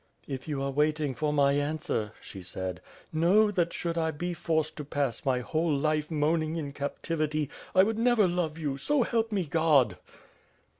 "If you are waiting for my answer,'' she said, "know, that should I be forced to pass my whole life moaning in captivity, 1 would never love you, so help me God!"